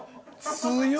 強い！